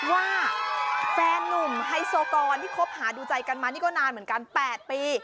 ว่าแฟนนุ่มไฮโซกรที่คบหาดูใจกันมานี่ก็นานเหมือนกัน๘ปี